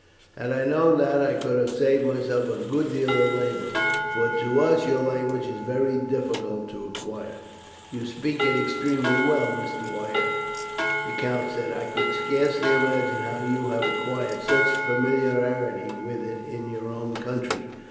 Had I known that, I could have saved myself a good deal of labour, for to us your language is very difficult to acquire." "You speak it extremely well, Mr. Wyatt," the count said. "I can scarcely imagine how you have acquired such familiarity with it in your own country."